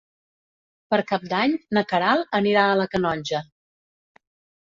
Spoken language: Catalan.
Per Cap d'Any na Queralt anirà a la Canonja.